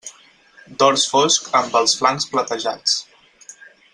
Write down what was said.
Dors fosc amb els flancs platejats.